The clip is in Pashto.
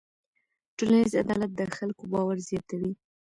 ټولنیز عدالت د خلکو باور زیاتوي.